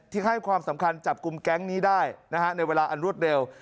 ให้ความสำคัญจับกลุ่มแก๊งนี้ได้ในเวลาอันรวดเร็ว